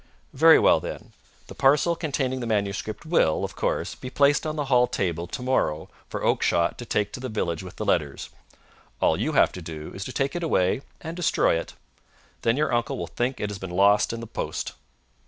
"Very well, then. The parcel containing the manuscript will, of course, be placed on the hall table to morrow for Oakshott to take to the village with the letters. All you have to do is to take it away and destroy it. Then your uncle will think it has been lost in the post."